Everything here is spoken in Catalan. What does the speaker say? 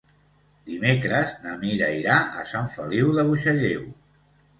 Dimecres na Mira irà a Sant Feliu de Buixalleu.